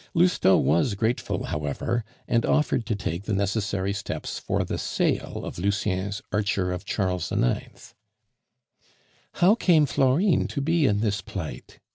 Lousteau was grateful, however, and offered to take the necessary steps for the sale of Lucien's Archer of Charles IX. "How came Florine to be in this plight?"